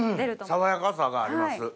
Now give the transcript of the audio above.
爽やかさがあります。